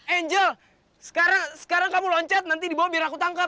angel sekarang kamu loncat nanti dibawa biar aku tangkap